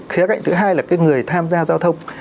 khía cạnh thứ hai là cái người tham gia giao thông